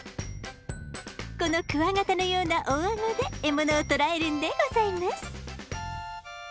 このクワガタのような大アゴで獲物を捕らえるんでございます。